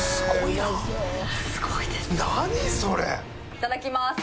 いただきます。